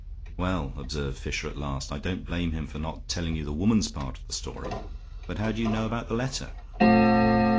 "Well," observed Fisher, at last, "I don't blame him for not telling you the woman's part of the story. But how do you know about the letter?"